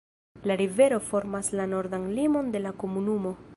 La rivero formas la nordan limon de la komunumo.